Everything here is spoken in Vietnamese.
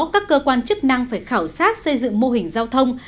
các cơ quan chức năng phải khảo sát xây dựng mô hình giao thông